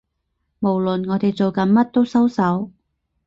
無論我哋做緊乜都收手